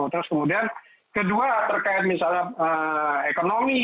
terus kemudian kedua terkait misalnya ekonomi